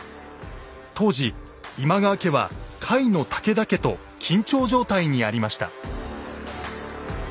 当時今川家は甲斐の武田家と緊張状態にありました。